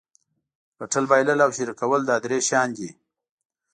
ګټل بایلل او شریکول دا درې شیان دي.